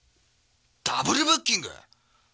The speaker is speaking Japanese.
ダブルブッキング！？